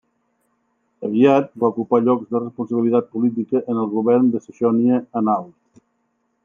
Aviat va ocupar llocs de responsabilitat política en el govern de Saxònia-Anhalt.